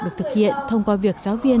được thực hiện thông qua việc giáo viên